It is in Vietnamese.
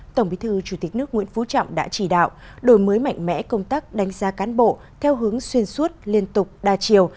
tổng bí thư chủ tịch nước nguyễn phú trọng đã chỉ đạo đổi mới mạnh mẽ công tác đánh giá cán bộ theo hướng xuyên suốt liên tục đa chiều